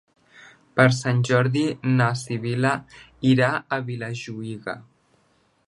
Per Sant Jordi na Sibil·la irà a Vilajuïga.